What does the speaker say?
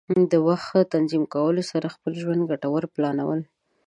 د وخت ښه تنظیم کولو سره د خپل ژوند ګټوره پلانول.